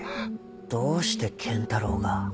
「どうして賢太郎が」。